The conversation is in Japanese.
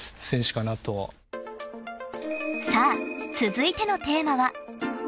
［さあ続いてのテーマは］